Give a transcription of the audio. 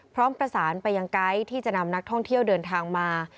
พร้อมประสานไปยังไกด์ที่จะนำนักท่องเที่ยวเดินทางมา